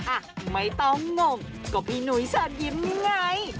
อ่ะไม่ต้องงงก็มีหนุ่ยฉันยิ้มไง